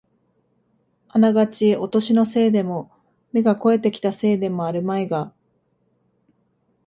あながちお年のせいでも、目が肥えてきたせいでもあるまいが、